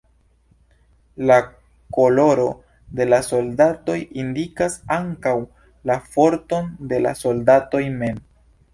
La koloro de la soldatoj indikas ankaŭ la forton de la soldatoj mem.